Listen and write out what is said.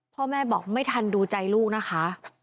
พ่อแม่บอกไม่ทันดูใจลูกนะคะ